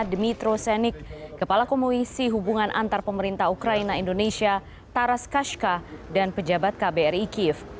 demitro senik kepala komisi hubungan antar pemerintah ukraina indonesia taras kashka dan pejabat kbri kiev